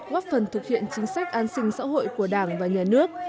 góp phần thực hiện chính sách an sinh xã hội của đảng và nhà nước